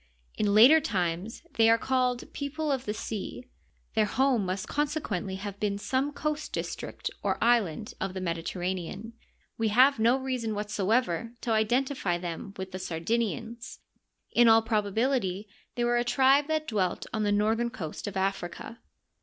In later times they are called "people of the sea." Their home must consequently have been some coast district or island of \he Mediterra nean. We have no reason whatsoever to identify them with the Sardinians. In all probability they were a tribe that dwelt on the northern coast of Africa.